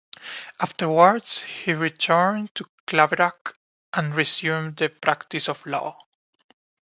Afterwards, he returned to Claverack and resumed the practice of law.